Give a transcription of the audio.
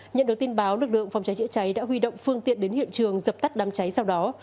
nhận được tin báo lực lượng phòng cháy chữa cháy đã huy động phương tiện đến hiện trường dập tắt đám cháy sau đó